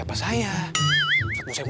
kok ada bintang